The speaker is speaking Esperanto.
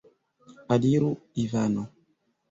Aliru, Ivano!